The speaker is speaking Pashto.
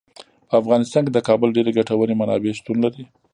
په افغانستان کې د کابل ډیرې ګټورې منابع شتون لري.